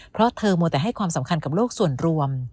เพราะเธอมัวแต่ให้ความสำคัญกับโลกส่วนรวม